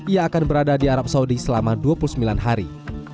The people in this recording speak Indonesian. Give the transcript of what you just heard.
ia akan berada di arab saudi selama dua puluh sembilan hari